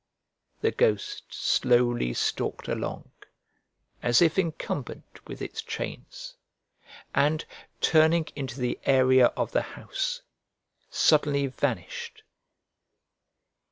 The ghost slowly stalked along, as if encumbered with its chains, and, turning into the area of the house, suddenly vanished.